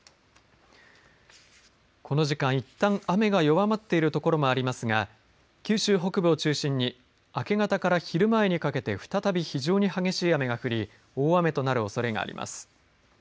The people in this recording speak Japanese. この時間、いったん雨が弱まっている所もありますが九州北部を中心に明け方から昼前にかけて再び非常に激しい雨が降り大雨となるおそれがあります。